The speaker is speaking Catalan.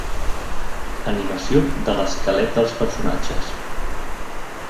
Animació de l'esquelet dels personatges.